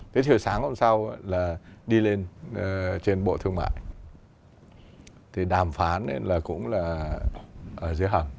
thế thì sáng hôm sau là đi lên trên bộ thương mại thì đàm phán cũng là ở dưới hầm